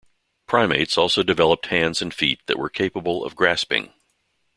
Primates also developed hands and feet that were capable of grasping.